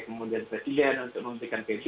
kemudian presiden untuk memberikan visi